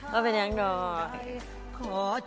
ก็เป็นอย่างดอด